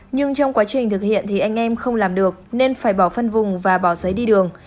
nhưng trong quá trình thực hiện thì anh em không làm được nên phải bỏ phân vùng và bỏ giấy đi đường